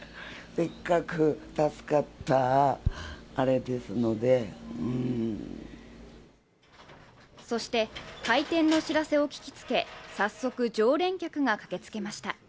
せっかく助かった、そして、開店の知らせを聞きつけ、早速、常連客が駆けつけました。